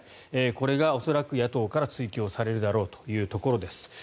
これが恐らく野党から追及されるであろうというところです。